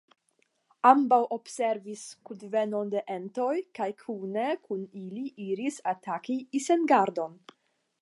Ambaŭ observis kunvenon de entoj kaj kune kun ili iris ataki Isengardon.